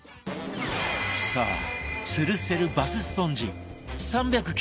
さあ吊るせるバススポンジ３９８円